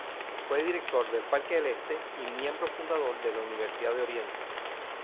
Fue director del Parque del Este y miembro fundador de la Universidad de Oriente.